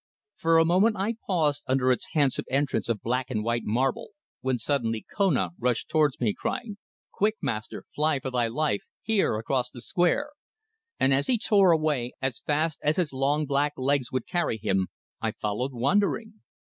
For a moment I paused under its handsome entrance of black and white marble, when suddenly Kona rushed towards me, crying: "Quick, Master! Fly for thy life, here, across the square!" and as he tore away as fast as his long black legs would carry him, I followed wondering.